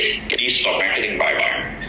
cho đi sổ marketing bài bản